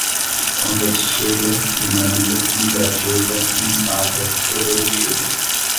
competitiva, dinâmica, interativa, instável, evolutiva